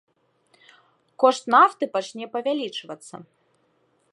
Кошт нафты пачне павялічвацца.